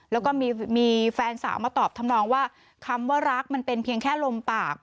แล้วก็มีแฟนสาวมาตอบทำนองว่าคำว่ารักมันเป็นเพียงแค่ลมปาก